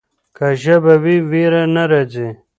که ژبه وي ویره نه راځي.